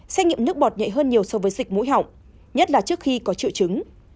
xét nghiệm nước bọt nhẹ hơn nhiều so với dịch mũi họng nhất là trước khi có triệu chứng